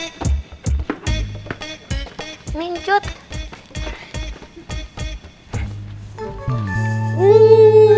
izin pringgi diri di prestasi kehidupan kehidupan